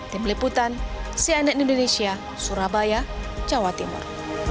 tim liputan cnn indonesia surabaya jawa timur